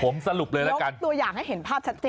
ผมสรุปเลยละกันล๊อคตัวอย่างให้เห็นภาพชัด